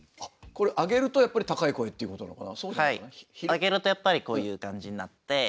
上げるとやっぱりこういう感じになって。